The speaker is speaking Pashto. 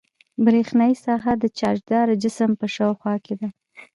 برېښنايي ساحه د چارجداره جسم په شاوخوا کې ده.